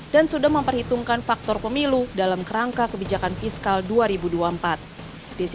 dan sudah memperhitungkan faktor pemilu dalam kerangka kebiasaan